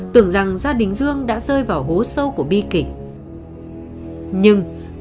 dương vẫn bảo với mẹ rằng